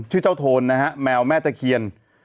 เจ้าโทนนะฮะแมวแม่ตะเคียน